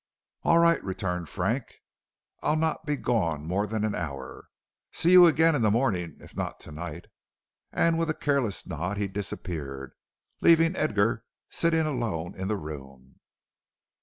"All right," returned Frank; "I'll not be gone more than an hour. See you again in the morning if not to night." And with a careless nod he disappeared, leaving Edgar sitting alone in the room.